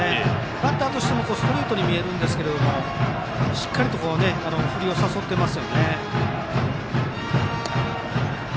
バッターとしてもストレートに見えるんですがしっかり振りを誘っています。